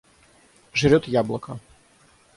Жрет яблоко.